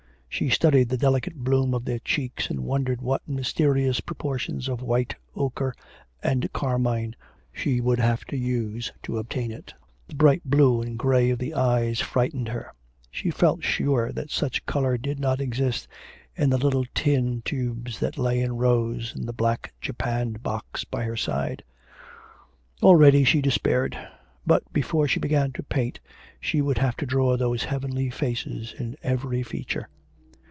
She studied the delicate bloom of their cheeks, and wondered what mysterious proportions of white, ochre, and carmine she would have to use to obtain it. The bright blue and grey of the eyes frightened her. She felt sure that such colour did not exist in the little tin tubes that lay in rows in the black japanned box by her side. Already she despaired. But before she began to paint she would have to draw those heavenly faces in every feature.